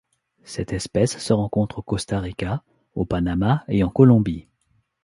Cette espèce se rencontre au Costa Rica au Panama et en Colombie.